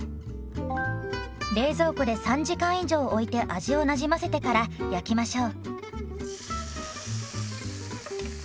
冷蔵庫で３時間以上おいて味をなじませてから焼きましょう。